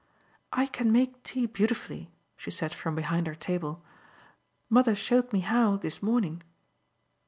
"I can make tea beautifully," she said from behind her table. "Mother showed me how this morning."